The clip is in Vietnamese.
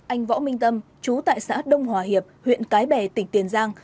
anh võ minh tâm chú tại xã đông hòa hiệp huyện cái bè tỉnh tiền giang